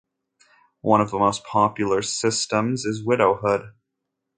One of the most popular systems is widowhood.